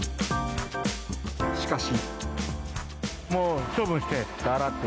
しかし。